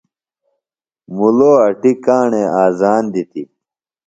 مُلو اٹیۡ کاݨے آذان دِتیۡ۔